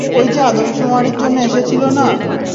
ঐযে আদমশুমারির জন্য এসেছিল না?